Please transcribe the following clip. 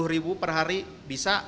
sepuluh ribu per hari bisa